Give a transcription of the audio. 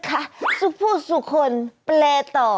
ย่ายดาวขอเอาอียาย